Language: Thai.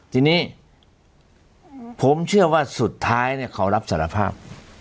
ทีนี้ผมเชื่อว่าสุดท้ายเขารับสารภาพ